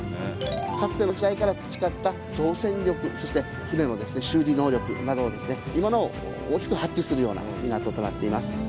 かつての時代から培った造船力そして船の修理能力などを今なお大きく発揮するような港となっています。